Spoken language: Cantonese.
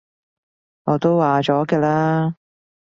我都話咗嘅啦